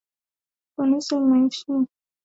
Kanisa linaheshimu kwa namna ya pekee